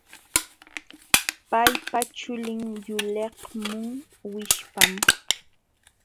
Paypa chulin yuliqmun wishpam.